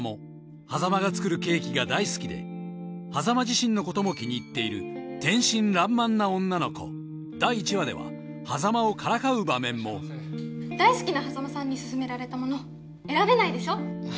波佐間が作るケーキが大好きで波佐間自身のことも気に入っている天真爛漫な女の子第１話では波佐間をからかう場面も大好きな波佐間さんに薦められたもの選べないでしょあ